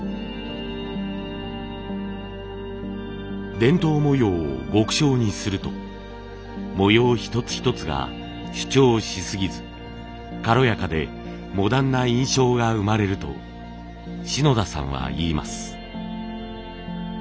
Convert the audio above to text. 伝統模様を極小にすると模様一つ一つが主張しすぎず軽やかでモダンな印象が生まれると篠田さんは言います。